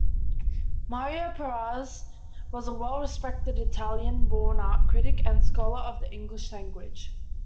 Mario Praz was a well-respected Italian-born art critic and scholar of the English language.